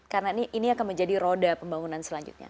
karena ini akan menjadi roda pembangunan selanjutnya